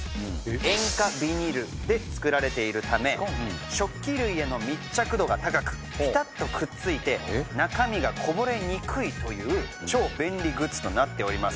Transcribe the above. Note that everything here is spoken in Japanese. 塩化ビニルで作られているため食器類への密着度が高くピタッとくっついて中身がこぼれにくいという超便利グッズとなっております。